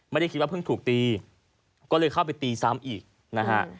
ไม่ได้คิดว่าเพิ่งถูกตีก็เลยเข้าไปตีซ้ำอีกนะฮะ